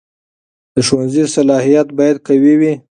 د ښوونځي صلاحیت باید قوي وي.